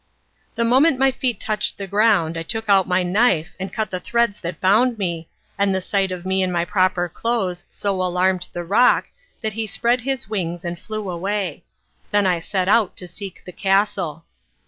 The moment my feet touched the ground I took out my knife and cut the threads that bound me, and the sight of me in my proper clothes so alarmed the roc that he spread his wings and flew away. Then I set out to seek the castle.